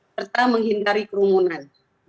pertama menghindari kerumunan